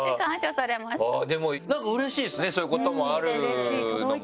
でもなんかうれしいですねそういうこともあるのもね。